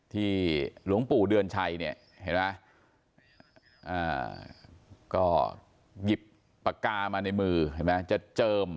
ที่ลุงปู่เดือนใช่เนี้ยเห็นมั้ยก็หยิบปากกามาในมือเห็นมั้ยจะเจิม